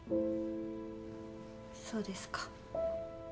そうですか。